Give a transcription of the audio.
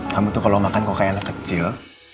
kamu tuh kalau makan kok kayaknya anak kecil